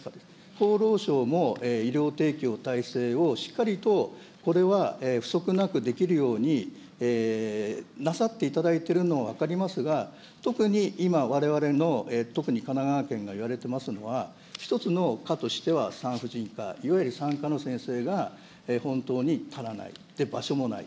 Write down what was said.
厚労省も医療提供体制をしっかりとこれは不足なくできるようになさっていただいてるのは分かりますが、特に今、われわれの、特に神奈川県がいわれていますのは、一つの科としては産婦人科、いわゆる産科の先生が本当に足らない、そして場所もない。